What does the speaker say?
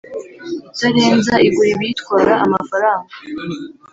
Itarenza igura ibiyitwara amafaranga